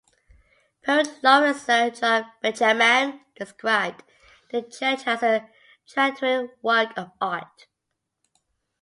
Poet Laureate Sir John Betjeman described the church as "a Tractarian work of art".